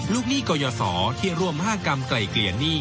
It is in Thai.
หนี้กรยศที่ร่วม๕กรรมไกลเกลี่ยหนี้